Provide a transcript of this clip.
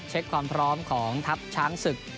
เช็คความพร้อมของทัพช้างศึก